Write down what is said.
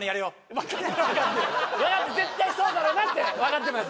絶対そうだろうなってわかってます